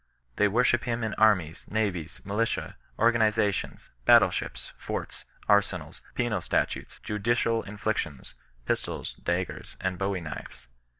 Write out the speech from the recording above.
They worship him in armies, navies, militia organiza tions, battle ships, forts, arsenals, penal statutes, judicial inflictions, pistols, daggers, and bowie knives.